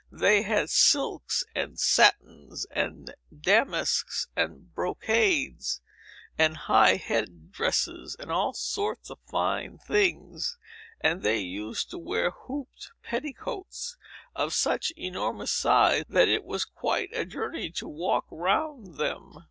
They had silks, and satins, and damasks, and brocades, and high head dresses, and all sorts of fine things. And they used to wear hooped petticoats, of such enormous size that it was quite a journey to walk round them."